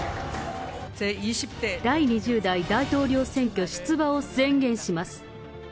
第２０代大統領選挙出馬を宣言します。